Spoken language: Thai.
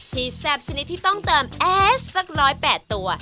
แซ่บชนิดที่ต้องเติมแอสสัก๑๐๘ตัว